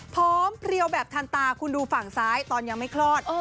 เพลียวแบบทันตาคุณดูฝั่งซ้ายตอนยังไม่คลอด